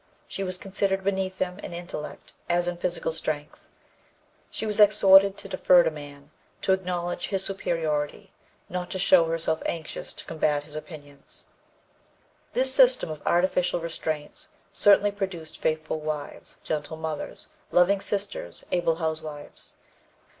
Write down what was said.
She was considered beneath him in intellect as in physical strength; she was exhorted to defer to man; to acknowledge his superiority; not to show herself anxious to combat his opinions.... "This system of artificial restraints certainly produced faithful wives, gentle mothers, loving sisters, able housewives.